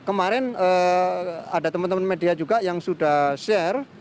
kemarin ada teman teman media juga yang sudah share